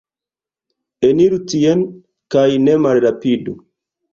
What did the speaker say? Eniru tien, kaj ne malrapidu.